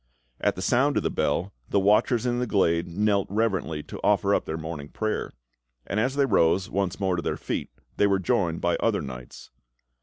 At the sound of the bell, the watchers in the glade knelt reverently to offer up their morning prayer; and as they rose once more to their feet they were joined by other knights.